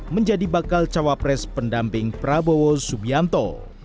menjadi bakal cawapres pendamping prabowo subianto